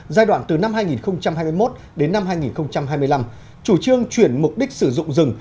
giai đoạn từ năm hai nghìn hai mươi một đến năm hai nghìn hai mươi năm chủ trương chuyển mục đích sử dụng rừng